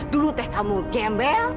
dulu teh kamu gembel